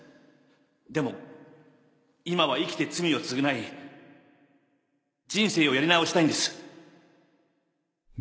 でも今は生きて罪を償い人生をやり直したいんです